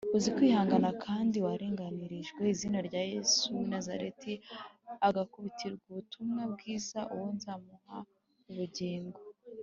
Uzi kwihangana kandi warenganirijwe izina rya Yesu w’I Nazareti agakubitirwa ubutumwa bwiza uwo nzamuha ubugingo.